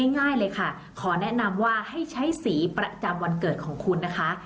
ง่ายเลยค่ะขอแนะนำว่าให้ใช้สีประจำวันเกิดของคุณนะคะ